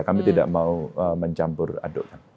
kami tidak mau mencampur adukkan